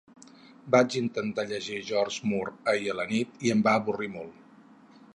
Vaig intentar llegir George Moore ahir a la nit, i em va avorrit molt.